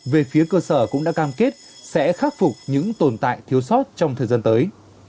về phía cơ sở cũng đã cam kết sẽ khắc phục những tồn tại thiếu sót trong thời gian tới